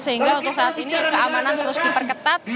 sehingga untuk saat ini keamanan terus diperketat